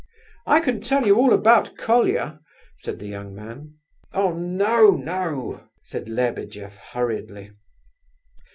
"I can tell you all about Colia," said the young man "Oh! no, no!" said Lebedeff, hurriedly.